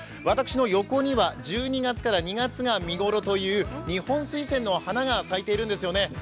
私の横には１２月から２月が見頃というニホンスイセンの花が咲いているんですよね。